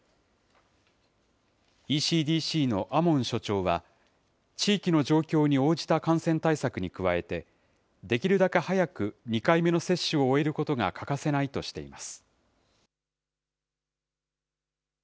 ＥＣＤＣのアモン所長は、地域の状況に応じた感染対策に加えて、できるだけ早く２回目の接種を終えることが欠かせないとしています。